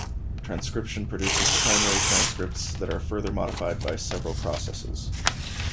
Transcription produces primary transcripts that are further modified by several processes.